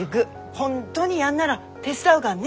本当にやんなら手伝うがらね。